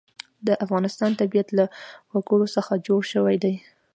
د افغانستان طبیعت له وګړي څخه جوړ شوی دی.